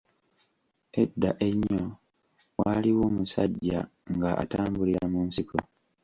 Edda ennyo, waaliwo omusajja nga atambulira mu nsiko.